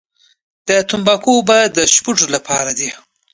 د تنباکو اوبه د سپږو لپاره دي؟